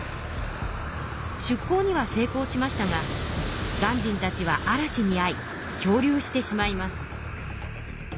出港には成功しましたが鑑真たちは嵐にあい漂流してしまいます。